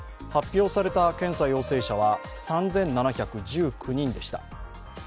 発表された検査陽性者は３７１９人でした。